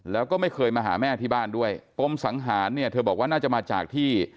แล้วก็ไม่เคยมาหาแม่ที่บ้านด้วยปมสังหารเนี่ยเธอบอกว่าน่าจะมาจากที่